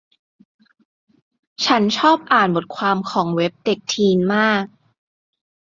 ฉันชอบอ่านบทความของเว็บเด็กทีนมาก